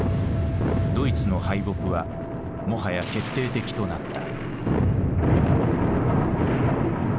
ドイツの敗北はもはや決定的となった。